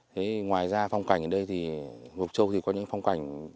thế ngoài ra phong cảnh ở đây thì mộc châu thì có những phong cảnh